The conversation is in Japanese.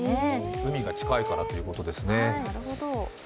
海が近いからということですね。